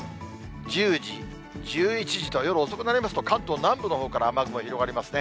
１０時、１１時と、夜遅くなりますと関東南部のほうから雨雲広がりますね。